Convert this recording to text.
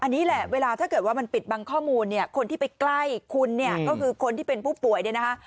อันนี้แหละเวลาถ้าเกิดว่ามันปิดบังข้อมูลเนี่ยคนที่ไปใกล้คุณเนี่ยก็คือคนที่เป็นผู้ป่วยเนี่ยนะคะ